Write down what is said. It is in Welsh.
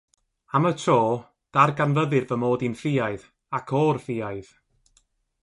Am y tro, darganfyddir fy mod i'n ffiaidd, ac o'r ffiaidd.